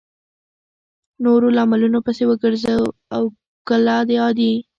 نورو لاملونو پسې وګرځو او کله د عادي